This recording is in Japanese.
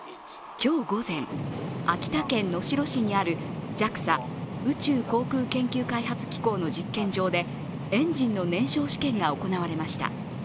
今日午前、秋田県能代市にあるＪＡＸＡ＝宇宙航空研究開発機構の実験場で、エンジンの燃焼試験が行われました。